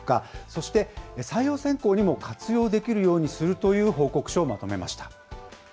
そして採用選考にも活用できるようにするという報告書をまとめました。